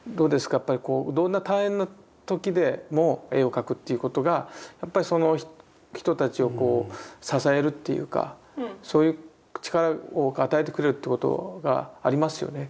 やっぱりこうどんな大変な時でも絵を描くということがやっぱりその人たちをこう支えるというかそういう力を与えてくれるってことがありますよねきっと。